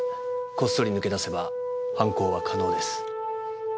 こっそり抜け出せば犯行は可能です。